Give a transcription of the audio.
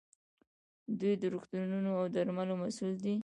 دوی د روغتونونو او درملو مسوول دي.